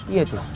iya itu lah